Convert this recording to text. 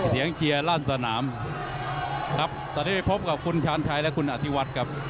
เสียงเชียร์ร่านสนามครับตอนนี้พบกับคุณชาญชัยและคุณอธิวัตรครับ